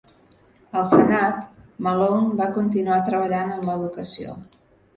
Al senat, Malone va continuar treballant en la educació.